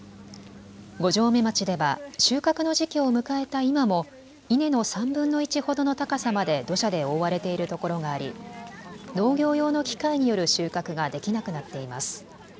五城目町では収穫の時期を迎えた今も稲の３分の１ほどの高さまで土砂で覆われているところがあり農業用の機械による収穫ができなくなっています。